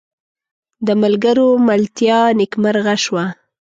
د ملګرو ملتیا نیکمرغه شوه.